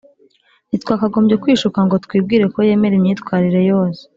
Ntitwakagombye kwishuka ngo twibwire ko yemera imyitwarire yose